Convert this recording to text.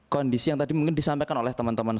kondisi yang tadi mungkin disampaikan oleh teman teman